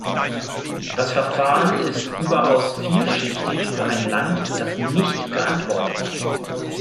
Das Verfahren ist überaus vielschichtig für ein Land, das nicht geantwortet hat.